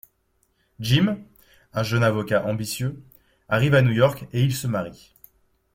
Jim, un jeune avocat ambitieux, arrive à New York et ils se marient.